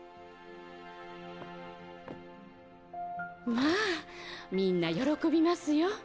まあみんな喜びますよ。